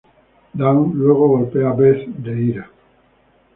Dawn luego golpea a Beth de ira.